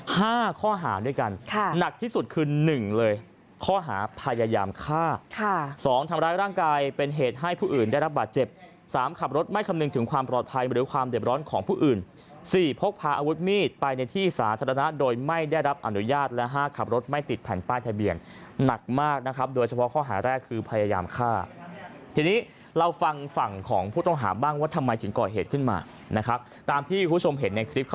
ห้าข้อหาด้วยกันหนักที่สุดคือหนึ่งเลยข้อหาพยายามฆ่าสองทำร้ายร่างกายเป็นเหตุให้ผู้อื่นได้รับบาดเจ็บสามขับรถไม่คำนึงถึงความปลอดภัยหรือความเด็บร้อนของผู้อื่นสี่พกพาอาวุธมีดไปในที่สาธารณะโดยไม่ได้รับอนุญาตและห้าขับรถไม่ติดแผ่นป้ายทะเบียงหนักมากนะครับโดยเฉพาะข้อหาแ